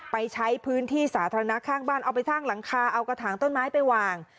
ไปใช้พื้นที่สาธารณะข้างบ้านเอาไปสร้างหลังคาเอากระถางต้นไม้ไปวาง